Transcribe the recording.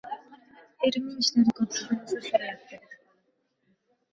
«Erimning ishlari ko‘p, sizdan uzr so‘ryapti», — dedi xonim.